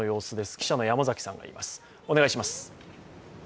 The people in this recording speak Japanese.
記者の山崎さんがいます。